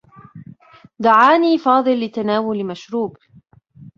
دعاني فاضل لتناول مشروب.